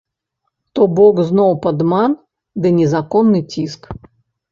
То бок зноў падман ды незаконны ціск.